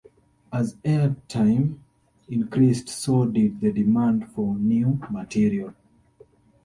As air time increased so did the demand for new material.